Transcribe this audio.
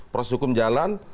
proses hukum jalan